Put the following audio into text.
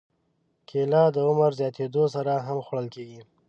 کېله د عمر زیاتېدو سره هم خوړل کېږي.